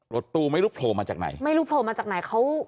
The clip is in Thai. รถตู้ไม่รู้โผล่มาจากไหนไม่รู้โผล่มาจากไหนเขา